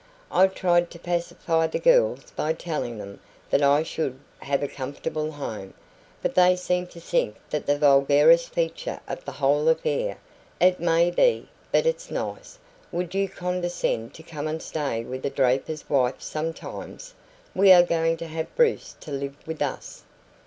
I tried to pacify the girls by telling them I should have a comfortable home; but they seem to think that the vulgarest feature of the whole affair. It may be, but it's nice. Would you condescend to come and stay with a draper's wife sometimes? We are going to have Bruce to live with us....